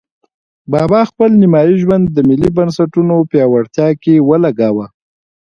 بابا خپل نیمایي ژوند د ملي بنسټونو پیاوړتیا کې ولګاوه.